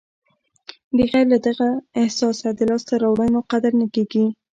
بغیر له دغه احساسه د لاسته راوړنو قدر نه کېږي.